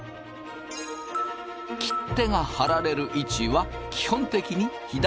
切手が貼られる位置は基本的に左上。